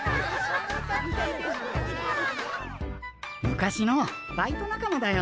昔のバイト仲間だよ。